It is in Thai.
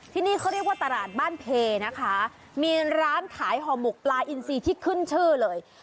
ที่นี่เขาเรียกว่าตลาดบ้านเพนะคะมีร้านขายห่อหมกปลาอินซีที่ขึ้นชื่อเลย